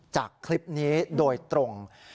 จากคลิปนี้โดยตรง